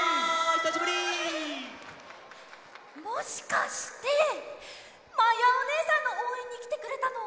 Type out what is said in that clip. もしかしてまやおねえさんのおうえんにきてくれたの？